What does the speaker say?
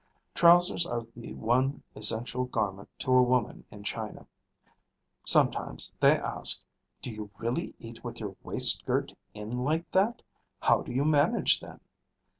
Trousers are the one essential garment to a woman in China. Sometimes they ask, "Do you really eat with your waist girt in like that? How do you manage then?"